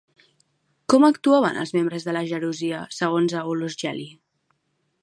Com actuaven els membres de la gerúsia, segons Aulus Gel·li?